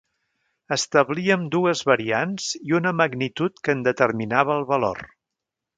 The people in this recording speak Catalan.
Establíem dues variants i una magnitud que en determinava el valor.